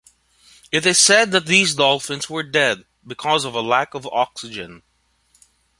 It is said that these Dolphins were dead because of a lack of oxygen.